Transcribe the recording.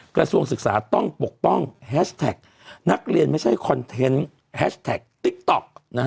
กระทรวงศึกษาต้องปกป้องแฮชแท็กนักเรียนไม่ใช่คอนเทนต์แฮชแท็กติ๊กต๊อก